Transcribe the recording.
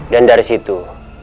dan dari situ